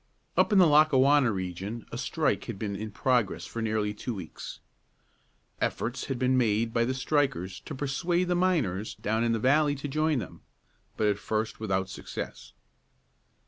Up in the Lackawanna region a strike had been in progress for nearly two weeks. Efforts had been made by the strikers to persuade the miners down the valley to join them, but at first without success.